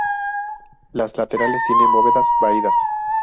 Las laterales tienen bóvedas vaídas.